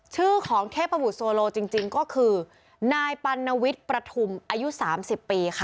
ชื่อของเทพพบุษโซโลจริงจริงก็คือนายปัณณวิทย์ประถุมอายุสามสิบปีค่ะ